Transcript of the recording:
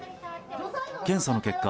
検査の結果